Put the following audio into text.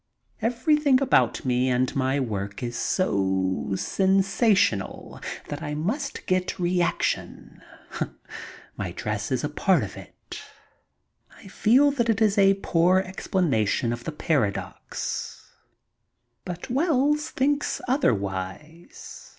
Every thing about me and my work is so sensational that I must get reaction. My dress is a part of it. I feel that it is a poor explanation of the paradox, but Wells thinks other wise.